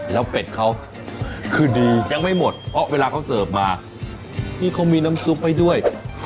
แล้วเป็ดเขาคือดียังไม่หมดเพราะเวลาเขาเสิร์ฟมานี่เขามีน้ำซุปให้ด้วย